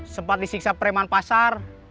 sempat disiksa preman pasar